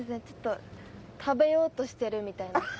ちょっと食べようとしてるみたいな。